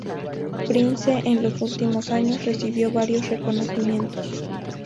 Prince, en los últimos años, recibió varios reconocimientos.